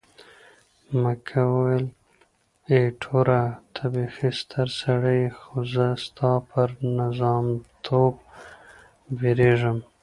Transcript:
مک وویل، ایټوره ته بیخي ستر سړی یې، خو زه ستا پر نظامیتوب بیریږم.